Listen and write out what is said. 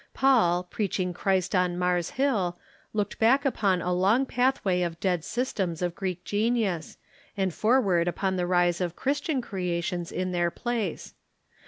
Paul, preaching Christ on Mars Hill, looked back upon a long pathway of dead systems of Greek genius, and forward upon the rise of Christian creations in their place.